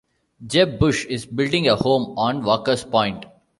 Jeb Bush is building a home on Walker's Point.